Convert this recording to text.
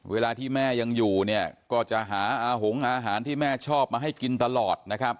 เวลาที่แม่ยังอยู่เนี่ยก็จะหาอาหงอาหารที่แม่ชอบมาให้กินตลอดนะครับ